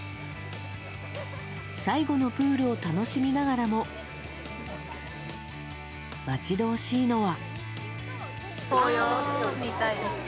最後のプールを楽しみながらも待ち遠しいのは。